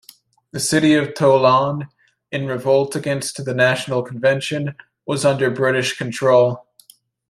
The city of Toulon, in revolt against the National Convention, was under British control.